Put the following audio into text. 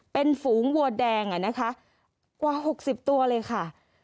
เป็นฝูงวัวแดงอะนะคะกว่า๖๐ตัวเลยค่ะ